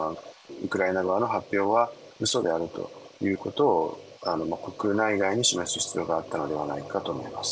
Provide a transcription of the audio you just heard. ウクライナ側の発表はうそであるということを、国内外に示す必要があったのではないかと思われます。